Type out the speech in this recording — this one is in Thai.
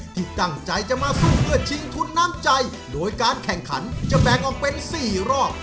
ที่ตั้งใจจะมาสู้เพื่อชิงทุนน้ำใจโดยการแข่งขันจะแบ่งออกเป็น๔รอบ